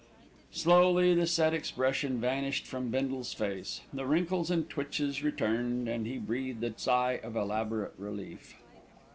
Slowly the set expression vanished from Bindle's face; the wrinkles and twitches returned, and he breathed a sigh of elaborate relief.